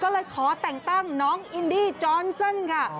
ก็เลยขอแต่งตั้งน้องอินดี้จอนเซิลค่ะ